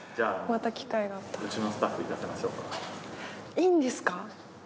いいんですか？